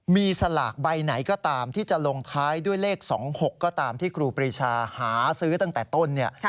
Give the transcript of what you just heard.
มีสลากใบไหนก็ตามที่จะลงท้ายด้วยเลข๒๖ก็ตามที่ครูปรีชาหาซื้อตั้งแต่ต้นเนี่ย